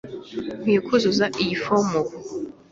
Nkwiye kuzuza iyi fomu ubu?